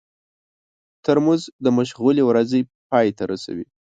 ترموز د مشغولې ورځې پای ته رسوي.